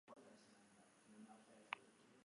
Nola laguntzen dute honelako ekitaldiek zuen lanean?